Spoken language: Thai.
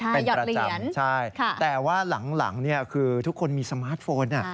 เป็นประจำใช่แต่ว่าหลังคือทุกคนมีสมาร์ทโฟน